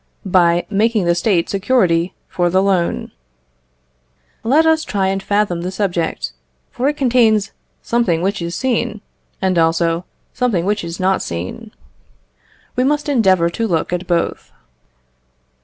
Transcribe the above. By making the State security for the loan. Let us try and fathom the subject, for it contains something which is seen, and also something which is not seen. We must endeavour to look at both.